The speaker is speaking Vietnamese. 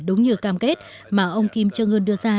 đúng như cam kết mà ông kim jong un đưa ra